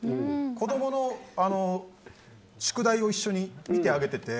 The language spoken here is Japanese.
子供の宿題を一緒に見てあげてて。